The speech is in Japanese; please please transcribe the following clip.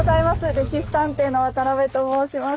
「歴史探偵」の渡邊と申します。